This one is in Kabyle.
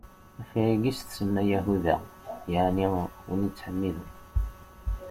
Ɣef wayagi i s-tsemma Yahuda, yeɛni win yettḥemmiden.